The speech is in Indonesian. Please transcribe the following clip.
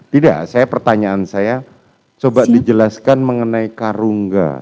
tidak pertanyaan saya coba dijelaskan mengenai karungga